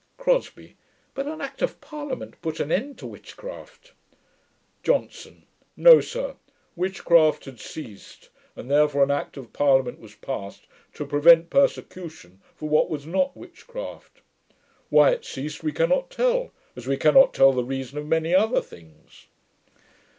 CROSBIE. 'But an Act of Parliament put an end to witchcraft.' JOHNSON. 'No, sir; witchcraft had ceased; and therefore an Act of Parliament was passed to prevent persecution for what was not witchcraft. Why it ceased, we cannot tell, as we cannot tell the reason of many other things.'